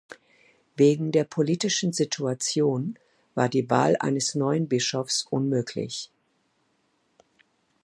Wegen der politischen Situation war die Wahl eines neuen Bischofs unmöglich.